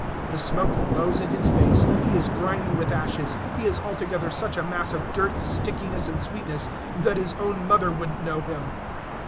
The smoke blows in his face; he is grimy with ashes; he is altogether such a mass of dirt, stickiness, and sweetness, that his own mother would n't know him.